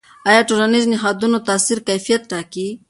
آیا د ټولنیزو نهادونو تاثیر کیفیت ټاکي؟